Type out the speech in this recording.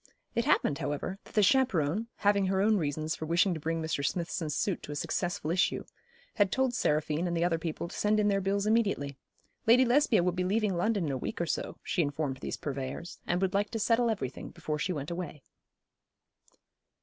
It happened, however, that the chaperon, having her own reasons for wishing to bring Mr. Smithson's suit to a successful issue, had told Seraphine and the other people to send in their bills immediately. Lady Lesbia would be leaving London in a week or so, she informed these purveyors, and would like to settle everything before she went away.